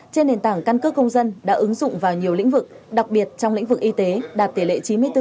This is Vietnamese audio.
trên nền tảng căn cước công dân đã ứng dụng vào nhiều lĩnh vực đặc biệt trong lĩnh vực y tế đạt tỷ lệ chín mươi bốn bốn